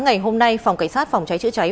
ngày hôm nay phòng cảnh sát phòng cháy chữa cháy